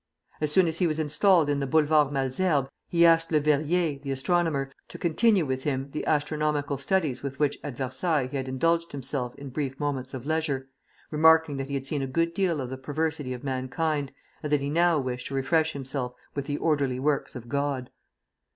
As soon as he was installed on the Boulevard Malesherbes he asked Leverrier, the astronomer, to continue with him the astronomical studies with which at Versailles he had indulged himself in brief moments of leisure, remarking that he had seen a good deal of the perversity of mankind, and that he now wished to refresh himself with the orderly works of God.